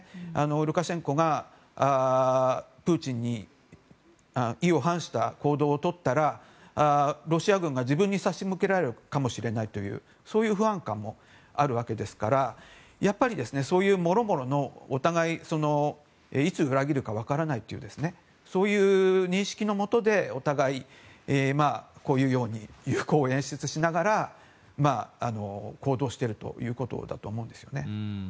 ルカシェンコがプーチンに意を反した行動をとったらロシア軍が自分に差し向けられるかもというそういう不安感もあるわけですからやっぱり、そういうもろもろのお互いいつ裏切るか分からないという認識のもとでお互いこういうように友好を演出しながら行動しているということだと思うんですよね。